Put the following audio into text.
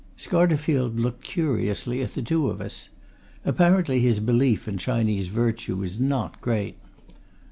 Scarterfield looked curiously at the two of us. Apparently, his belief in Chinese virtue was not great.